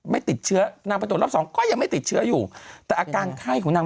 ไม่ติดเชื้อนางไปตรวจรอบสองก็ยังไม่ติดเชื้ออยู่แต่อาการไข้ของนาง